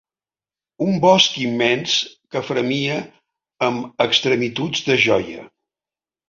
Un bosc immens que fremia amb extremituds de joia.